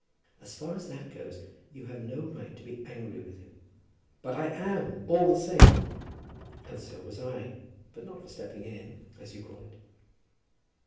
"As far as that goes, you have no right to be angry with him." "But I am, all the same." "And so was I, but not for stepping in, as you call it."